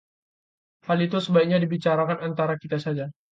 hal itu sebaiknya dibicarakan antara kita saja